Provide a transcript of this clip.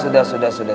sudah sudah sudah